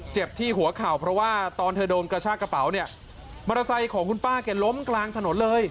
เจ็บที่หัวเข่าเพราะว่าตอนเธอโดนกระชากระเป๋าเนี่ยมอเตอร์ไซค์ของคุณป้าแกล้มกลางถนนเลย